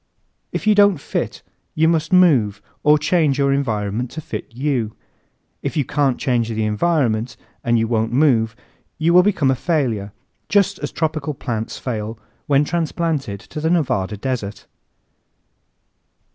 If you don't fit you must move or change your environment to fit you. If you can't change the environment and you won't move you will become a failure, just as tropical plants fail when transplanted to the Nevada desert.